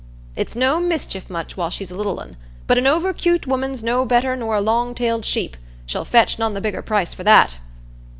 "It's no mischief much while she's a little un; but an over 'cute woman's no better nor a long tailed sheep,—she'll fetch none the bigger price for that."